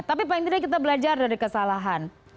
tapi paling tidak kita belajar dari kesalahan